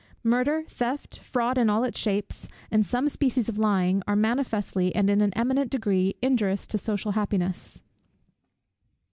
Murder, theft, fraud in all its shapes, and some species of lying, are manifestly, and in an eminent degree, injurious to social happiness.